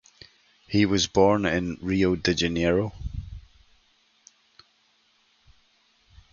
He was born in Rio de Janeiro.